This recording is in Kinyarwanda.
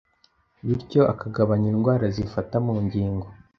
bityo akagabanya indwara zifata mu ngingo